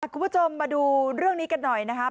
คุณผู้ชมมาดูเรื่องนี้กันหน่อยนะครับ